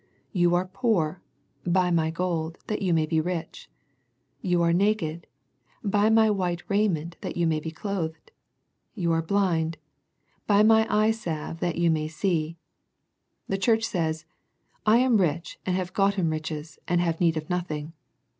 You are poor, buy My gold, that you may be rich. You are naked, buy My white raiment that you may be clothed. You are blind, buy My eye salve that you may see. The church says *' I am rich, and have gotten riches, and have need of nothing."